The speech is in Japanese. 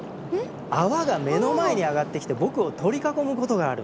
泡が目の前に上がってきて僕を取り囲むことがある。